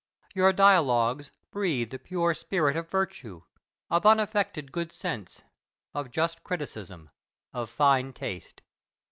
Your "Dialogues" breathe the pure spirit of virtue, of unaffected good sense, of just criticism, of fine taste.